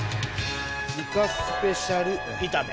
イカスペシャル炒め。